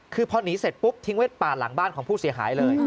คือพอหนีเสร็จปุ๊บทิ้งไว้ป่าหลังบ้านของผู้เสียหายเลย